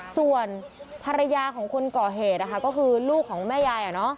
ส่วนภรรยาของคนก่อเหตุก็คือลูกของแม่ยาย